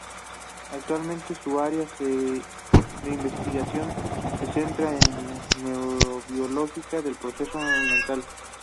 Actualmente, su área de investigación se centra en la neurobiología de los procesos mentales.